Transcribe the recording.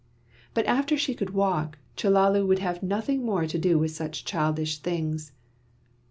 But after she could walk, Chellalu would have nothing more to do with such childish things.